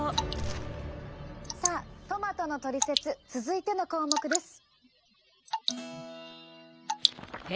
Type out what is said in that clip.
さあトマトのトリセツ続いての項目です。